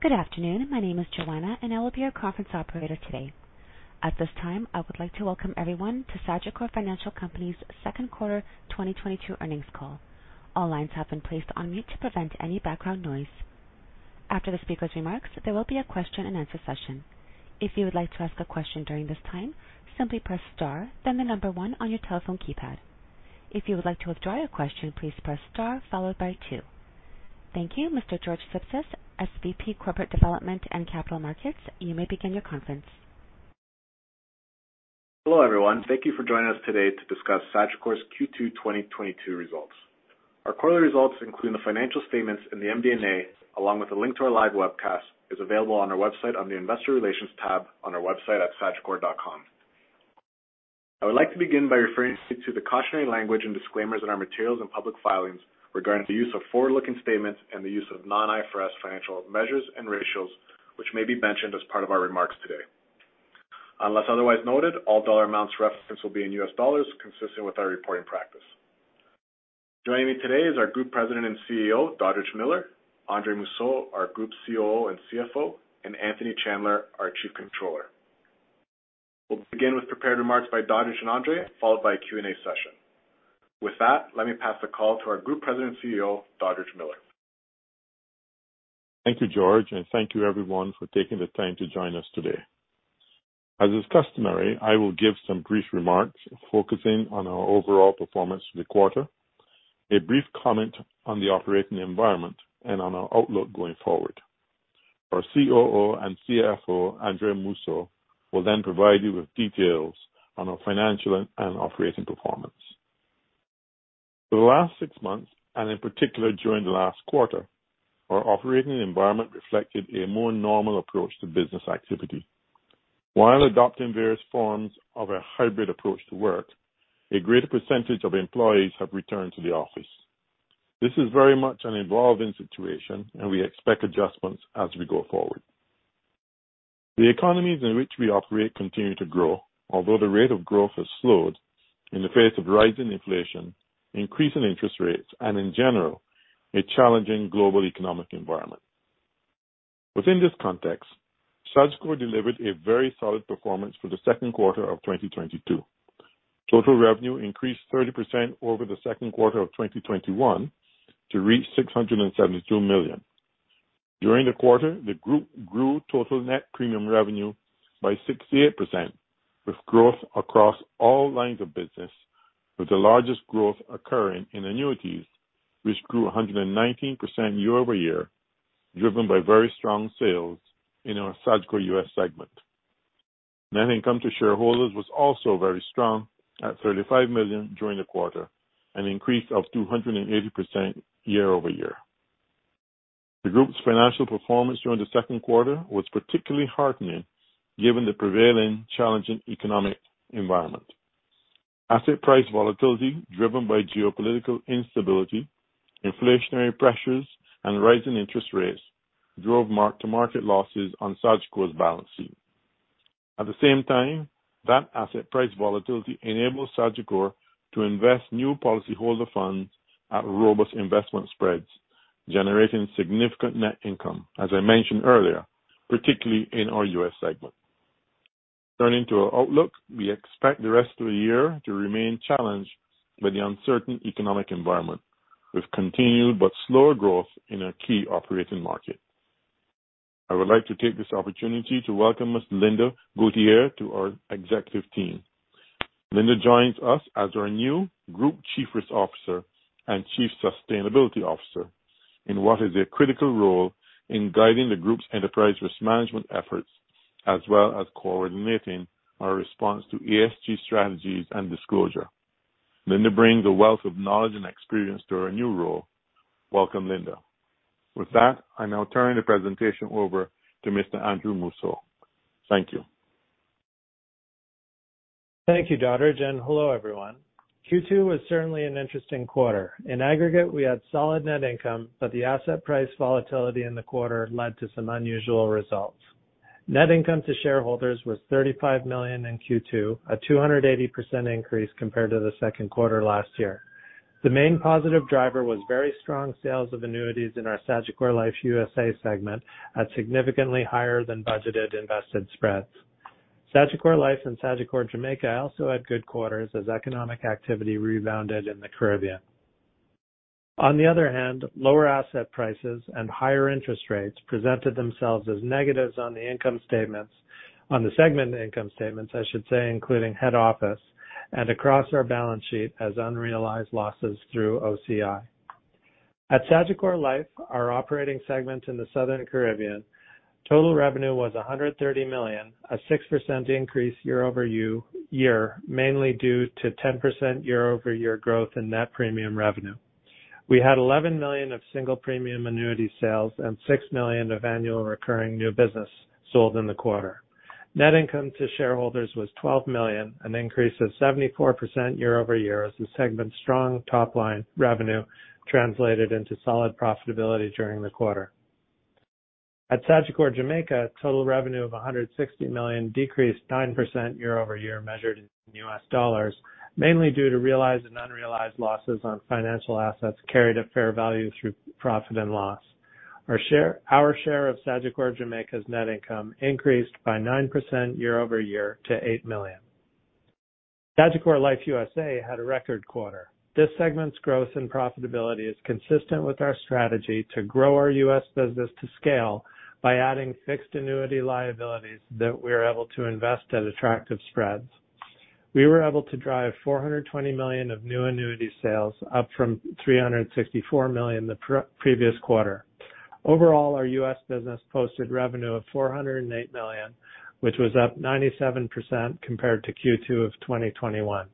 Good afternoon. My name is Joanna, and I will be your conference operator today. At this time, I would like to Welcome everyone to Sagicor Financial Company's second quarter 2022 earnings call. All lines have been placed on mute to prevent any background noise. After the speaker's remarks, there will be a question-and-answer session. If you would like to ask a question during this time, simply press Star, then the number one on your telephone keypad. If you would like to withdraw your question, please press star followed by two. Thank you. Mr. George Sipsis, SVP, Corporate Development and Capital Markets, you may begin your conference. Hello, everyone. Thank you for joining us today to discuss Sagicor's Q2 2022 results. Our quarterly results, including the financial statements in the MD&A, along with a link to our live webcast, is available on our website on the Investor Relations tab on our website at sagicor.com. I would like to begin by referring you to the cautionary language and disclaimers in our materials and public filings regarding the use of forward-looking statements and the use of non-IFRS financial measures and ratios, which may be mentioned as part of our remarks today. Unless otherwise noted, all dollar amounts referenced will be in US dollars, consistent with our reporting practice. Joining me today is our Group President and CEO, Dodridge Miller; Andre Mousseau, our Group COO and CFO; and Anthony Chandler, our Chief Controller. We'll begin with prepared remarks by Dodridge and Andre, followed by a Q&A session. With that, let me pass the call to our Group President and CEO, Dodridge Miller. Thank you, George, and thank you everyone for taking the time to join us today. As is customary, I will give some brief remarks focusing on our overall performance for the quarter, a brief comment on the operating environment, and on our outlook going forward. Our COO and CFO, Andre Mousseau, will then provide you with details on our financial and operating performance. For the last six months, and in particular during the last quarter, our operating environment reflected a more normal approach to business activity. While adopting various forms of a hybrid approach to work, a greater percentage of employees have returned to the office. This is very much an evolving situation, and we expect adjustments as we go forward. The economies in which we operate continue to grow, although the rate of growth has slowed in the face of rising inflation, increasing interest rates, and in general, a challenging global economic environment. Within this context, Sagicor delivered a very solid performance for the second quarter of 2022. Total revenue increased 30% over the second quarter of 2021 to reach $672 million. During the quarter, the group grew total net premium revenue by 68%, with growth across all lines of business, with the largest growth occurring in annuities, which grew 119% year-over-year, driven by very strong sales in our Sagicor U.S. segment. Net income to shareholders was also very strong at $35 million during the quarter, an increase of 280% year-over-year. The group's financial performance during the second quarter was particularly heartening given the prevailing challenging economic environment. Asset price volatility driven by geopolitical instability, inflationary pressures, and rising interest rates drove mark-to-market losses on Sagicor's balance sheet. At the same time, that asset price volatility enabled Sagicor to invest new policyholder funds at robust investment spreads, generating significant net income, as I mentioned earlier, particularly in our U.S. segment. Turning to our outlook, we expect the rest of the year to remain challenged by the uncertain economic environment with continued but slower growth in our key operating market. I would like to take this opportunity to welcome Ms. Lynda Gauthier to our executive team. Lynda joins us as our new Group Chief Risk Officer and Chief Sustainability Officer in what is a critical role in guiding the group's enterprise risk management efforts, as well as coordinating our response to ESG strategies and disclosure. Lynda brings a wealth of knowledge and experience to her new role. Welcome, Lynda. With that, I now turn the presentation over to Mr. Andre Mousseau. Thank you. Thank you, Dodridge, and hello, everyone. Q2 was certainly an interesting quarter. In aggregate, we had solid net income, but the asset price volatility in the quarter led to some unusual results. Net income to shareholders was $35 million in Q2, a 280% increase compared to the second quarter last year. The main positive driver was very strong sales of annuities in our Sagicor Life USA segment at significantly higher than budgeted invested spreads. Sagicor Life and Sagicor Jamaica also had good quarters as economic activity rebounded in the Caribbean. On the other hand, lower asset prices and higher interest rates presented themselves as negatives on the segment income statements, I should say, including head office and across our balance sheet as unrealized losses through OCI. At Sagicor Life, our operating segment in the Southern Caribbean, total revenue was $130 million, a 6% increase year-over-year, mainly due to 10% year-over-year growth in net premium revenue. We had $11 million of single premium annuity sales and $6 million of annual recurring new business sold in the quarter. Net income to shareholders was $12 million, an increase of 74% year-over-year, as the segment's strong top-line revenue translated into solid profitability during the quarter. At Sagicor Jamaica, total revenue of $160 million decreased 9% year-over-year, measured in U.S. dollars, mainly due to realized and unrealized losses on financial assets carried at fair value through profit and loss. Our share of Sagicor Jamaica's net income increased by 9% year-over-year to $8 million. Sagicor Life USA had a record quarter. This segment's growth and profitability is consistent with our strategy to grow our U.S. business to scale by adding fixed annuity liabilities that we are able to invest at attractive spreads. We were able to drive $420 million of new annuity sales, up from $364 million the previous quarter. Overall, our U.S. business posted revenue of $408 million, which was up 97% compared to Q2 of 2021.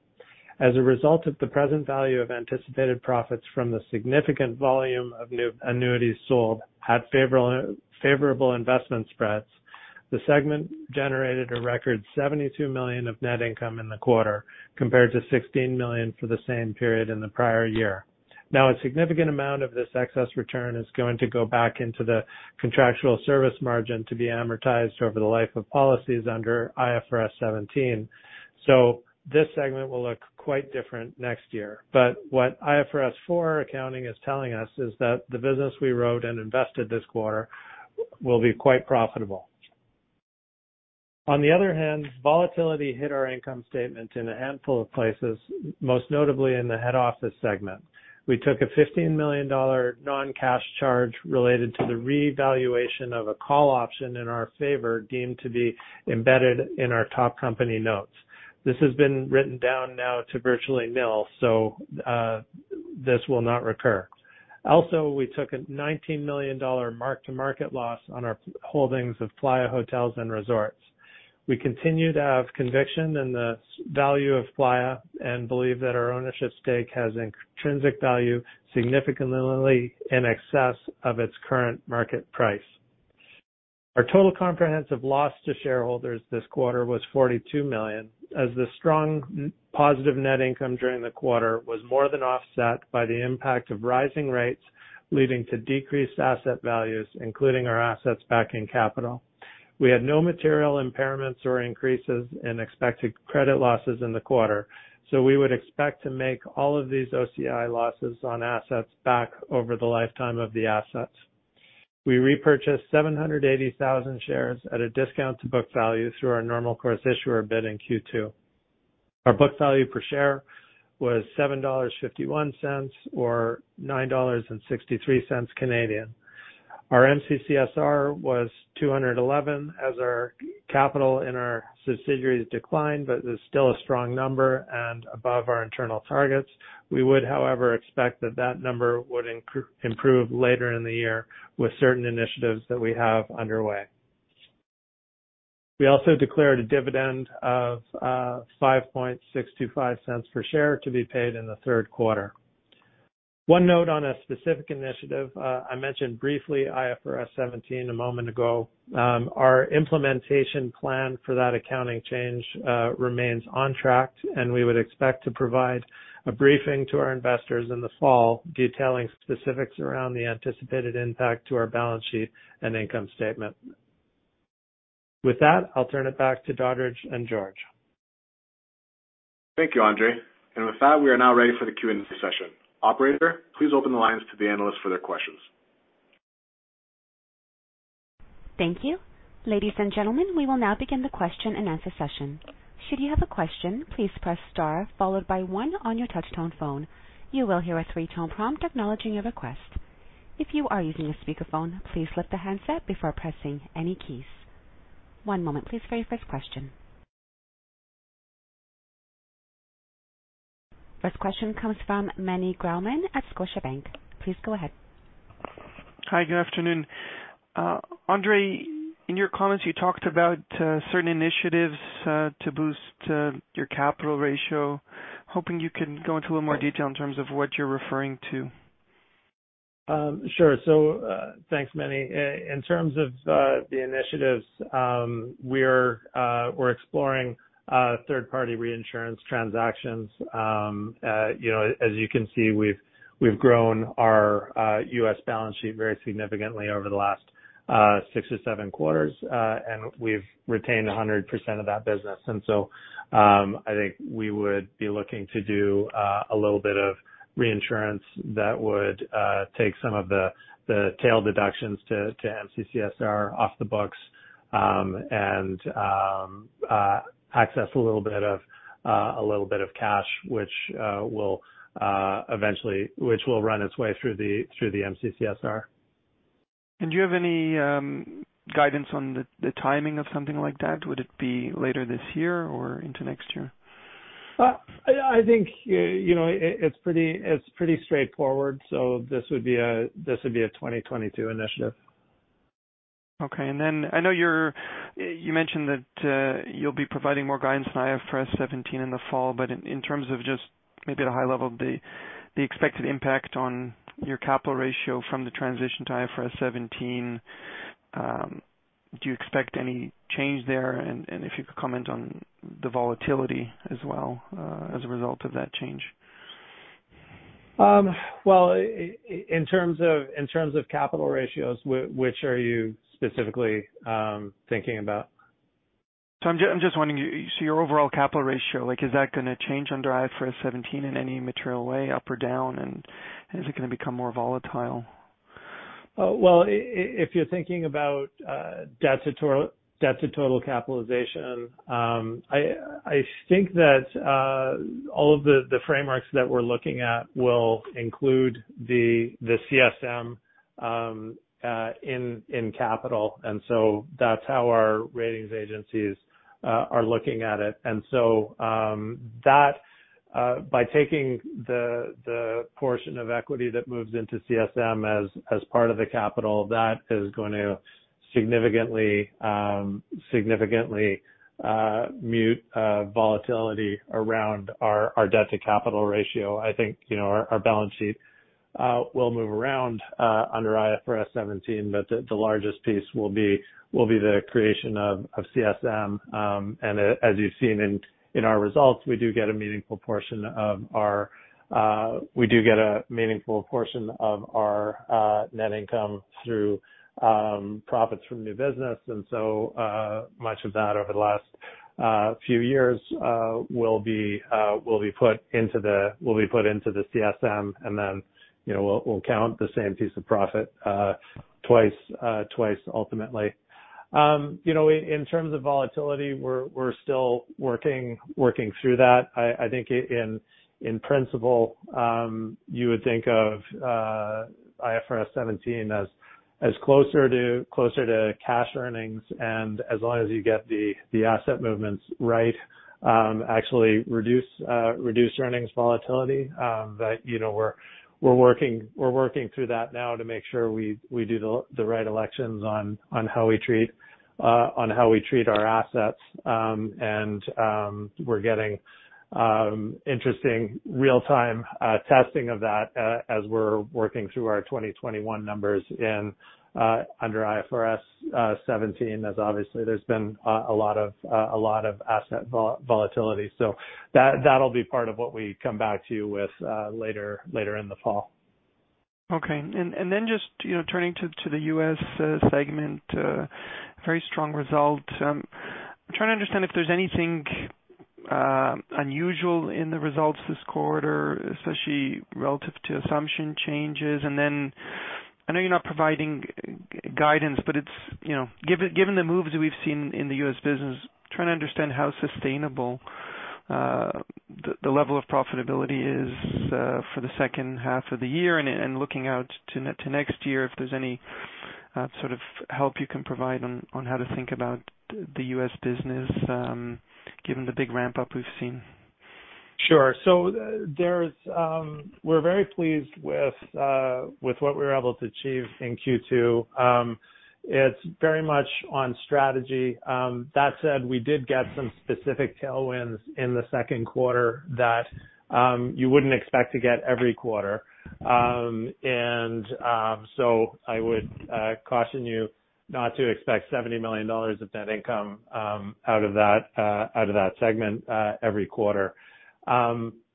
As a result of the present value of anticipated profits from the significant volume of new annuities sold at favorable investment spreads, the segment generated a record $72 million of net income in the quarter, compared to $16 million for the same period in the prior year. A significant amount of this excess return is going to go back into the contractual service margin to be amortized over the life of policies under IFRS 17. This segment will look quite different next year, but what IFRS 4 accounting is telling us is that the business we wrote and invested this quarter will be quite profitable. On the other hand, volatility hit our income statement in a handful of places, most notably in the head office segment. We took a $15 million non-cash charge related to the revaluation of a call option in our favor, deemed to be embedded in our top company notes. This has been written down now to virtually nil, so this will not recur. Also, we took a $19 million mark-to-market loss on our holdings of Playa Hotels & Resorts. We continue to have conviction in the value of Playa and believe that our ownership stake has intrinsic value significantly in excess of its current market price. Our total comprehensive loss to shareholders this quarter was $42 million. As the strong and positive net income during the quarter was more than offset by the impact of rising rates, leading to decreased asset values, including our assets backing capital. We had no material impairments or increases in expected credit losses in the quarter, so we would expect to make all of these OCI losses on assets back over the lifetime of the assets. We repurchased 780,000 shares at a discount to book value through our normal course issuer bid in Q2. Our book value per share was $7.51 or 9.63 Canadian dollars. Our MCCSR was 211 as our capital and our subsidiaries declined, but it is still a strong number and above our internal targets. We would, however, expect that number would improve later in the year with certain initiatives that we have underway. We also declared a dividend of $0.05625 per share to be paid in the third quarter. One note on a specific initiative, I mentioned briefly IFRS 17 a moment ago. Our implementation plan for that accounting change remains on track, and we would expect to provide a briefing to our investors in the fall detailing specifics around the anticipated impact to our balance sheet and income statement. With that, I'll turn it back to Dodridge and George. Thank you, Andre. With that, we are now ready for the Q&A session. Operator, please open the lines to the analysts for their questions. Thank you. Ladies and gentlemen, we will now begin the question-and-answer session. Should you have a question, please press star followed by one on your touch tone phone. You will hear a three-tone prompt acknowledging your request. If you are using a speakerphone, please lift the handset before pressing any keys. One moment please for your first question. First question comes from Meny Grauman at Scotiabank. Please go ahead. Hi. Good afternoon. Andre, in your comments, you talked about certain initiatives to boost your capital ratio. Hoping you can go into a little more detail in terms of what you're referring to. Sure. Thanks, Manny. In terms of the initiatives, we're exploring third-party reinsurance transactions. You know, as you can see, we've grown our U.S. balance sheet very significantly over the last six or seven quarters, and we've retained 100% of that business. I think we would be looking to do a little bit of reinsurance that would take some of the tail deductions to MCCSR off the books, and access a little bit of cash, which will run its way through the MCCSR. Do you have any guidance on the timing of something like that? Would it be later this year or into next year? I think you know it's pretty straightforward, so this would be a 2022 initiative. Okay. Then I know you mentioned that you'll be providing more guidance on IFRS 17 in the fall, but in terms of just maybe at a high level, the expected impact on your capital ratio from the transition to IFRS 17, do you expect any change there? If you could comment on the volatility as well, as a result of that change. Well, in terms of capital ratios, which are you specifically thinking about? I'm just wondering, so your overall capital ratio, like, is that gonna change under IFRS 17 in any material way up or down, and is it gonna become more volatile? If you're thinking about debt to total capitalization, I think that all of the frameworks that we're looking at will include the CSM in capital. That's how our rating agencies are looking at it. By taking the portion of equity that moves into CSM as part of the capital, that is going to significantly mute volatility around our debt to capital ratio. I think, you know, our balance sheet will move around under IFRS 17, but the largest piece will be the creation of CSM. As you've seen in our results, we get a meaningful portion of our net income through profits from new business. Much of that over the last few years will be put into the CSM, and then, you know, we'll count the same piece of profit twice ultimately. You know, in terms of volatility, we're still working through that. I think in principle you would think of IFRS 17 as closer to cash earnings, and as long as you get the asset movements right, actually reduce earnings volatility. You know, we're working through that now to make sure we do the right elections on how we treat our assets. We're getting interesting real-time testing of that as we're working through our 2021 numbers under IFRS 17, as obviously there's been a lot of asset volatility. That'll be part of what we come back to you with later in the fall. Okay. Just, you know, turning to the U.S. segment, very strong result. I'm trying to understand if there's anything unusual in the results this quarter, especially relative to assumption changes. I know you're not providing guidance, but it's, you know, given the moves we've seen in the US business, trying to understand how sustainable the level of profitability is for the second half of the year and looking out to next year, if there's any sort of help you can provide on how to think about the U.S. business, given the big ramp-up we've seen. We're very pleased with what we were able to achieve in Q2. It's very much on strategy. That said, we did get some specific tailwinds in the second quarter that you wouldn't expect to get every quarter. I would caution you not to expect $70 million of net income out of that segment every quarter.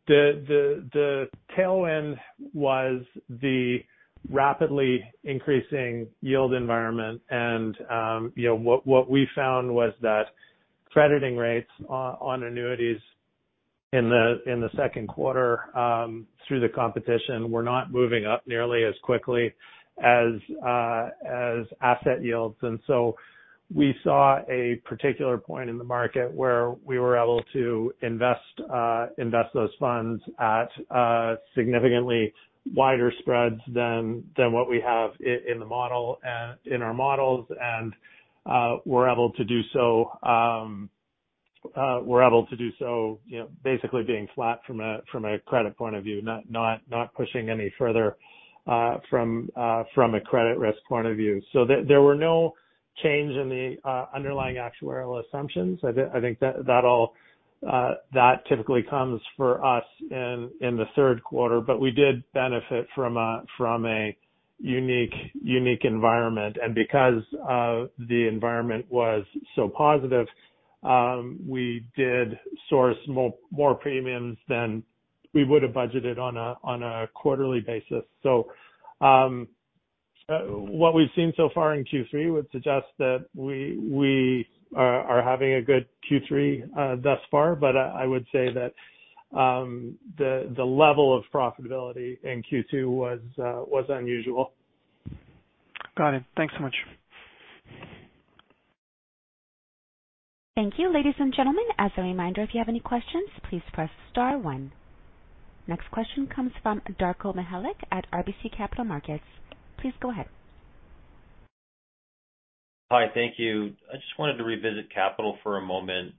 The tailwind was the rapidly increasing yield environment. You know what we found was that crediting rates on annuities in the second quarter from the competition were not moving up nearly as quickly as asset yields. We saw a particular point in the market where we were able to invest those funds at significantly wider spreads than what we have in the model and in our models. We're able to do so, you know, basically being flat from a credit point of view, not pushing any further from a credit risk point of view. There were no change in the underlying actuarial assumptions. I think that all that typically comes for us in the third quarter. We did benefit from a unique environment. Because the environment was so positive, we did source more premiums than we would have budgeted on a quarterly basis. What we've seen so far in Q3 would suggest that we are having a good Q3 thus far, but I would say that the level of profitability in Q2 was unusual. Got it. Thanks so much. Thank you. Ladies and gentlemen, as a reminder, if you have any questions, please press star one. Next question comes from Darko Mihelic at RBC Capital Markets. Please go ahead. Hi. Thank you. I just wanted to revisit capital for a moment.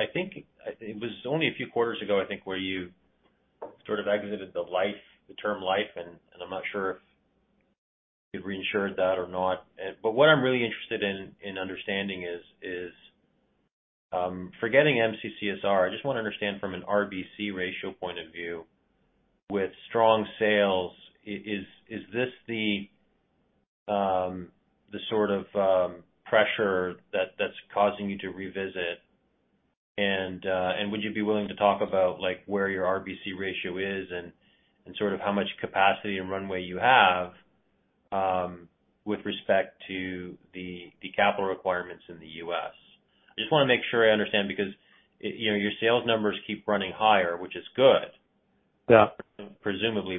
I think it was only a few quarters ago, I think, where you sort of exited the life, the term life, and I'm not sure if you've reinsured that or not. What I'm really interested in understanding is, forgetting MCCSR, I just wanna understand from an RBC ratio point of view, with strong sales, is this the sort of pressure that's causing you to revisit. Would you be willing to talk about like where your RBC ratio is and sort of how much capacity and runway you have with respect to the capital requirements in the U.S.? I just wanna make sure I understand because, you know, your sales numbers keep running higher, which is good. Yeah Presumably.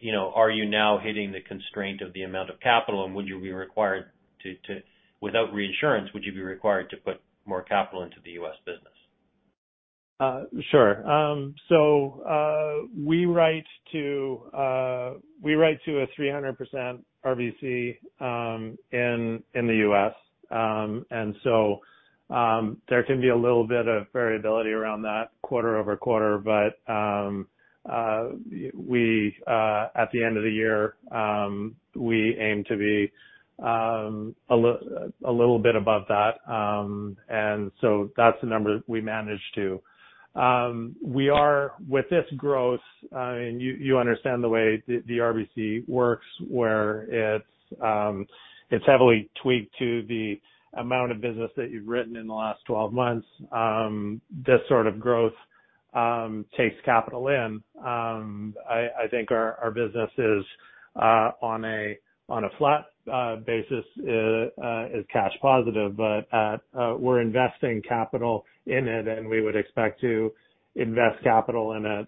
You know, are you now hitting the constraint of the amount of capital? Without reinsurance, would you be required to put more capital into the U.S. business? Sure. So, we write to a 300% RBC in the U.S.. There can be a little bit of variability around that quarter-over-quarter. At the end of the year, we aim to be a little bit above that. That's the number we manage to. With this growth, and you understand the way the RBC works, where it's heavily tweaked to the amount of business that you've written in the last 12 months. This sort of growth takes capital in. I think our business, on a flat basis, is cash positive. We're investing capital in it, and we would expect to invest capital in it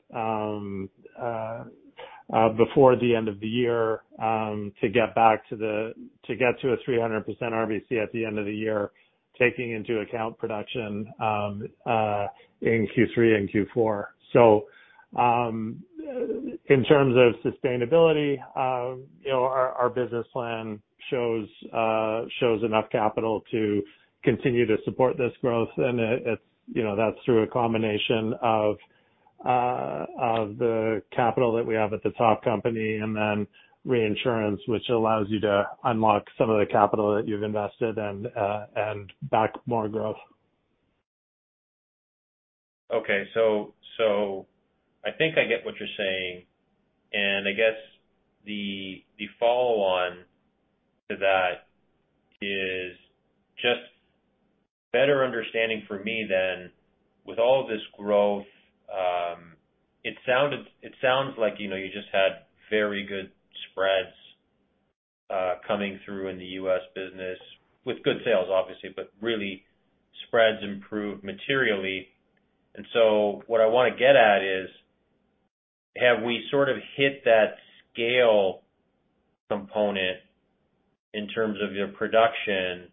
before the end of the year to get to a 300% RBC at the end of the year, taking into account production in Q3 and Q4. In terms of sustainability, you know, our business plan shows enough capital to continue to support this growth. You know, that's through a combination of the capital that we have at the top company and then reinsurance, which allows you to unlock some of the capital that you've invested and back more growth. Okay. I think I get what you're saying, and I guess the follow on to that is just better understanding for me then with all of this growth, it sounds like, you know, you just had very good spreads coming through in the U.S. business with good sales obviously, but really spreads improved materially. What I wanna get at is, have we sort of hit that scale component in terms of your production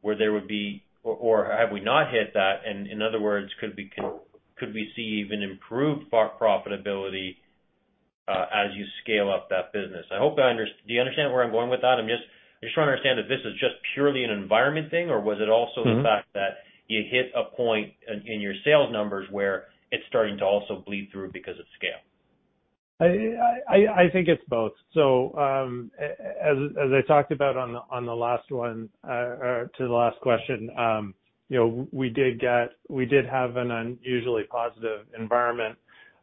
where there would be. Or have we not hit that? In other words, could we see even improved further profitability as you scale up that business? I hope. Do you understand where I'm going with that? I'm just trying to understand if this is just purely an environment thing or was it also the fact that you hit a point in your sales numbers where it's starting to also bleed through because of scale? I think it's both. As I talked about on the last one or to the last question, you know, we did have an unusually positive environment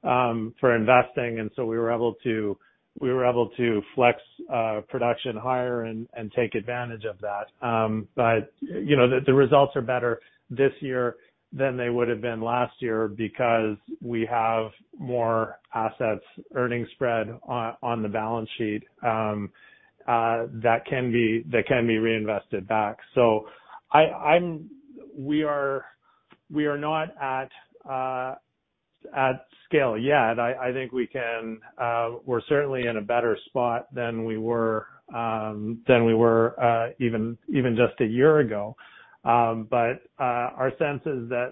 for investing, and so we were able to flex production higher and take advantage of that. You know, the results are better this year than they would've been last year because we have more assets earning spread on the balance sheet that can be reinvested back. We are not at scale yet. I think we can. We're certainly in a better spot than we were, even just a year ago. Our sense is that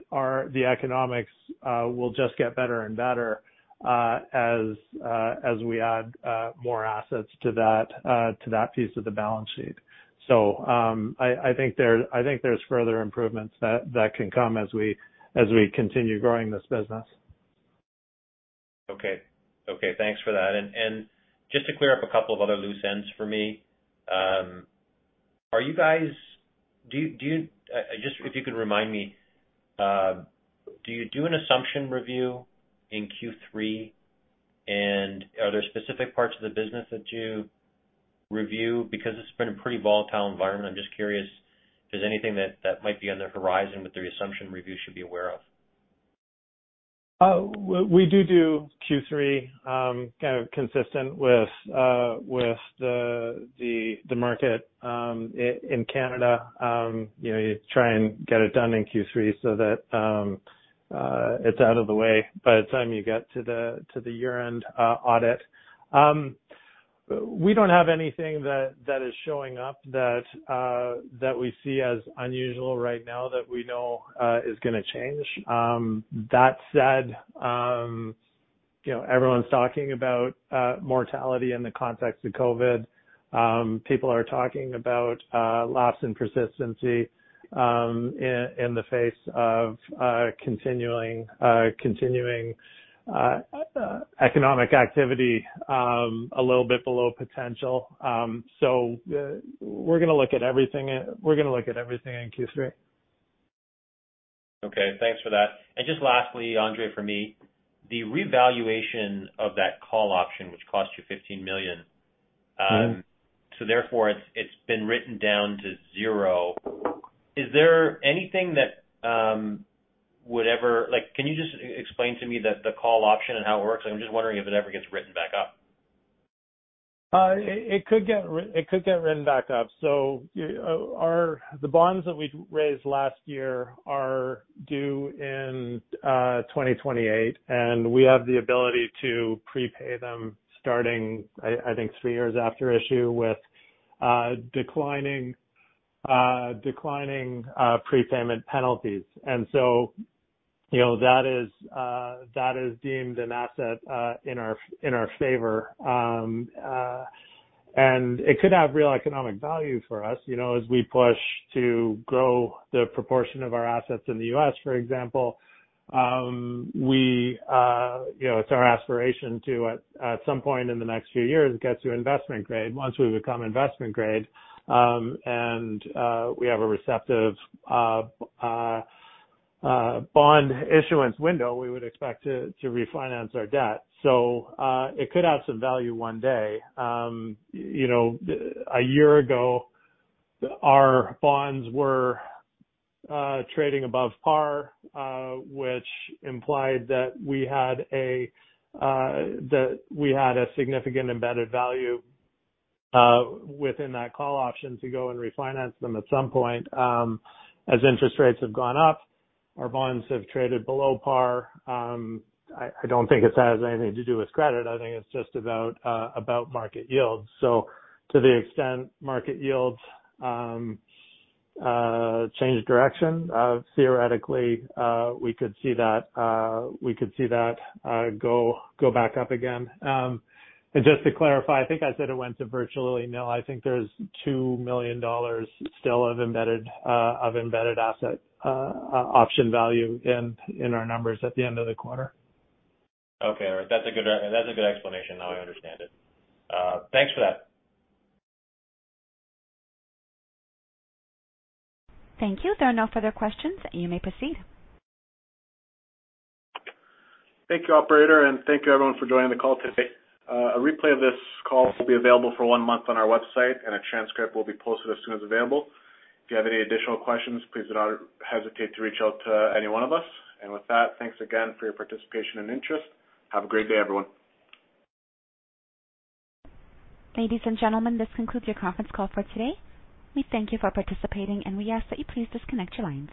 the economics will just get better and better as we add more assets to that piece of the balance sheet. I think there's further improvements that can come as we continue growing this business. Okay, thanks for that. Just to clear up a couple of other loose ends for me, if you could remind me, do you do an assumption review in Q3, and are there specific parts of the business that you review? Because it's been a pretty volatile environment. I'm just curious if there's anything that might be on the horizon that the assumption review should be aware of. We do Q3 kind of consistent with the market in Canada. You know, you try and get it done in Q3 so that it's out of the way by the time you get to the year-end audit. We don't have anything that is showing up that we see as unusual right now that we know is gonna change. That said, you know, everyone's talking about mortality in the context of COVID. People are talking about loss in persistency in the face of continuing economic activity a little bit below potential. We're gonna look at everything in Q3. Okay, thanks for that. Just lastly, Andre, for me, the revaluation of that call option, which cost you $15 million, Mm-hmm. Therefore, it's been written down to zero. Is there anything that would ever. Like, can you just explain to me the call option and how it works? I'm just wondering if it ever gets written back up. It could get written back up. The bonds that we raised last year are due in 2028, and we have the ability to prepay them starting, I think, three years after issue with declining prepayment penalties. You know, that is deemed an asset in our favor. It could have real economic value for us, you know, as we push to grow the proportion of our assets in the U.S., for example. You know, it's our aspiration to, at some point in the next few years, get to investment grade. Once we become investment grade, we have a receptive bond issuance window, we would expect to refinance our debt. It could have some value one day. You know, a year ago, our bonds were trading above par, which implied that we had a significant embedded value within that call option to go and refinance them at some point. As interest rates have gone up, our bonds have traded below par. I don't think it has anything to do with credit. I think it's just about market yields. To the extent market yields change direction, theoretically, we could see that go back up again. Just to clarify, I think I said it went to virtually nil. I think there's $2 million still of embedded asset option value in our numbers at the end of the quarter. Okay. All right. That's a good explanation. Now I understand it. Thanks for that. Thank you. There are no further questions. You may proceed. Thank you, operator, and thank you everyone for joining the call today. A replay of this call will be available for one month on our website, and a transcript will be posted as soon as available. If you have any additional questions, please do not hesitate to reach out to any one of us. With that, thanks again for your participation and interest. Have a great day, everyone. Ladies and gentlemen, this concludes your conference call for today. We thank you for participating, and we ask that you please disconnect your lines.